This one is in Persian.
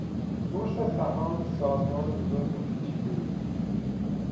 بورس سهام سازمان بزرگ و پیچیدهای است.